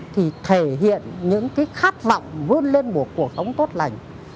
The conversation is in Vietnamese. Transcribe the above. thì thể hiện những cái khát vọng vươn lên một cuộc sống tốt lành